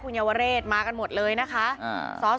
คุณวราวุฒิศิลปะอาชาหัวหน้าภักดิ์ชาติไทยพัฒนา